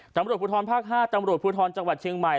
ตำรวจภูทรภาค๕ตำรวจภูทรจังหวัดเชียงใหม่